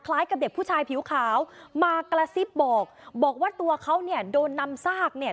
กับเด็กผู้ชายผิวขาวมากระซิบบอกบอกว่าตัวเขาเนี่ยโดนนำซากเนี่ย